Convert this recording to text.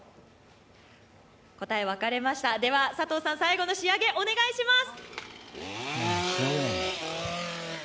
答え、分かれました、佐藤さん、最後の仕上げ、お願いします。